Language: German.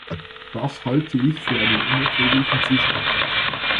Das halte ich für einen unerträglichen Zustand.